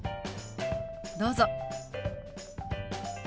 どうぞ。